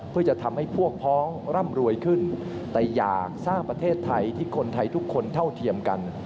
เพื่อจะทำให้พวกพ้องร่ำรวยขึ้นแต่อยากสร้างประเทศไทยที่คนไทยทุกคนเท่าเทียมกัน